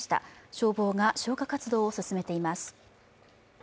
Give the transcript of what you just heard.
消防が消火活動を進めています。